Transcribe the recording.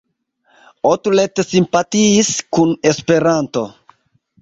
Otlet simpatiis kun Esperanto.